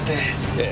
ええ。